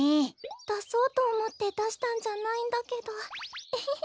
だそうとおもってだしたんじゃないんだけどエヘヘ。